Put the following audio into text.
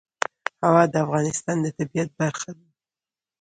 هوا د افغانستان د طبیعت برخه ده.